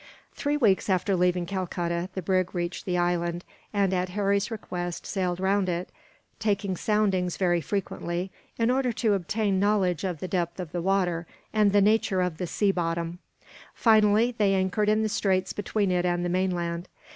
Three weeks after leaving Calcutta the brig reached the island and, at Harry's request, sailed round it, taking soundings very frequently, in order to obtain knowledge of the depth of the water and the nature of the sea bottom. Finally they anchored in the straits between it and the mainland.